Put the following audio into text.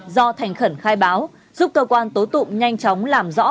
do thành khẩn khai báo giúp cơ quan tố tụng nhanh chóng làm rõ